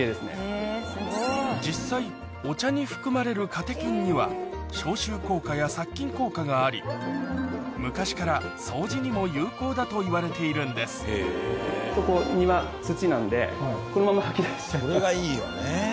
実際お茶に含まれるカテキンには消臭効果や殺菌効果があり昔から掃除にも有効だといわれているんですこれがいいよね。